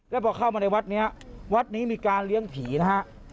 แล้วพอเข้ามาในวัดนี้วัดนี้มีการเลี้ยงผีนะฮะ